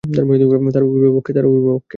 তার অভিভাবক কে?